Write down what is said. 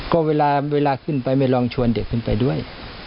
ก็เวลาขึ้นไปไม่ลองชวนเด็กขึ้นไปด้วย